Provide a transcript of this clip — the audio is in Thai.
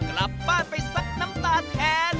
กลับบ้านไปซักน้ำตาแทน